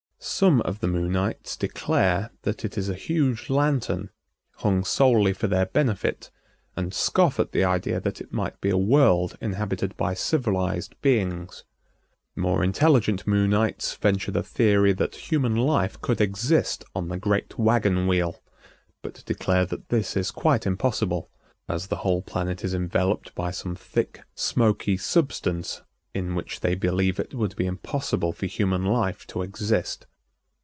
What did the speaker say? Some of the Moonites declare that it is a huge lantern, hung solely for their benefit, and scoff at the idea that it might be a world inhabited by civilized beings. More intelligent Moonites venture the theory that human life could exist on the great wagon wheel, but declare that this is quite improbable, as the whole planet is enveloped by some thick, smoky substance in which they believe it would be impossible for human life to exist.